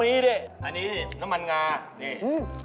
มีดิอันนี้น้ำมันงานี่